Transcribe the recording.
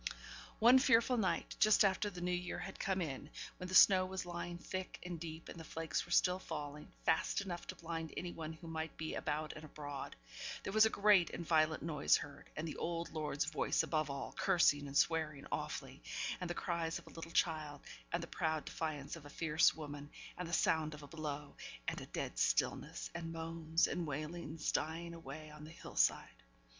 One fearful night, just after the New Year had come in, when the snow was lying thick and deep; and the flakes were still falling fast enough to blind any one who might be out and abroad there was a great and violent noise heard, and the old lord's voice above all, cursing and swearing awfully, and the cries of a little child, and the proud defiance of a fierce woman, and the sound of a blow, and a dead stillness, and moans and wailings dying away on the hill side!